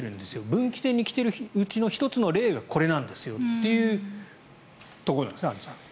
分岐点に来ているうちの１つの例がこれなんですよということですねアンジュさん。